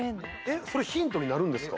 それヒントになるんですか？